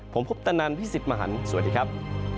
ผมคุปตะนันพี่สิทธิ์มหันฯสวัสดีครับ